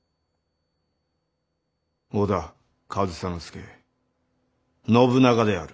織田上総介信長である。